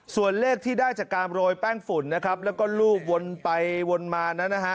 ส่วนเลขที่ได้จากการโรยแป้งฝุ่นนะครับแล้วก็รูปวนไปวนมานั้นนะฮะ